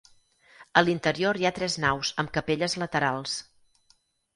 A l'interior hi ha tres naus amb capelles laterals.